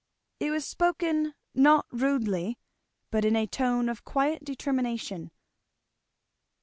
It was spoken not rudely but in a tone of quiet determination.